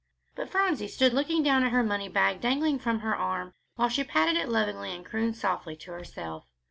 But Phronsie stood looking down at her money bag dangling from her arm, while she patted it lovingly and crooned softly to herself.